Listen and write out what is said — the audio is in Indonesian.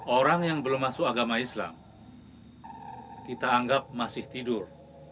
orang yang belum masuk agama islam kita anggap masih tidur